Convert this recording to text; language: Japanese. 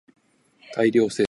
大量生産